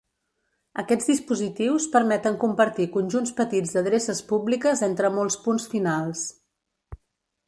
Aquests dispositius permeten compartir conjunts petits d'adreces públiques entre molts punts finals.